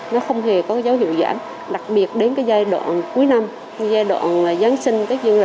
nó không hề có dấu hiệu giảm đặc biệt đến giai đoạn cuối năm giai đoạn giáng sinh tết dương lịch và tết âm lịch này thì hàng hóa về càng nhiều hơn